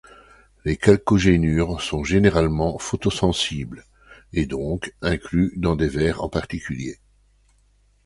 Les chalcogénures sont généralement photosensibles, et donc inclus dans des verres en particulier.